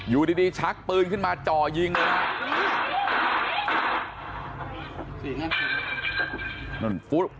อยู่ดีชักปืนขึ้นมาจ่อยิงเลย